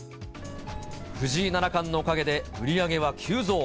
藤井七冠のおかげで売り上げは急増。